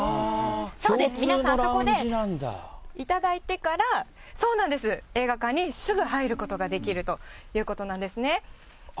そうです、皆さんあそこで頂いてから、そうなんです、映画館にすぐ入ることができるということなんですね。